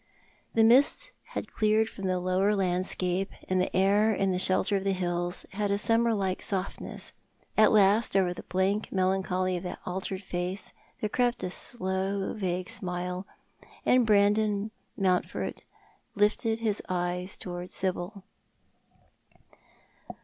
The mists had cleared from the lower landscape, and the air in the shelter of the hills had a summer like softness. At last, over the blank melancholy of that altered face there crept a slow vague smile, and Brandon Mountford lifted his eyes towards Sibyl.